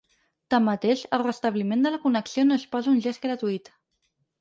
Tanmateix, el restabliment de la connexió no és pas un gest gratuït.